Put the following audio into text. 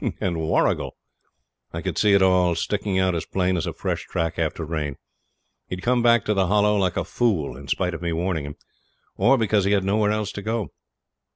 And Warrigal! I could see it all, sticking out as plain as a fresh track after rain. He'd come back to the Hollow, like a fool in spite of me warning him or because he had nowhere else to go.